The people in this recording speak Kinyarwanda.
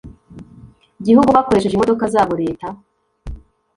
gihugu bakoresheje imodoka zabo leta